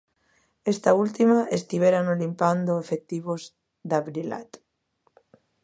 Esta última estivérano limpando efectivos da Brilat.